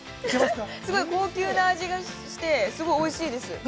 ◆すごい高級な味がして、すごいおいしいです。